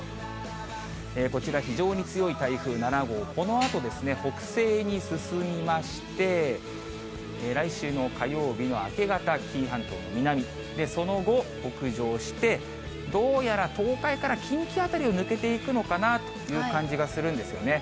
こちら、非常に強い台風７号、このあと北西に進みまして、来週の火曜日の明け方、紀伊半島の南、その後、北上して、どうやら東海から近畿辺りを抜けていくのかなという感じがするんですよね。